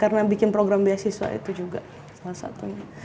karena bikin program beasiswa itu juga salah satunya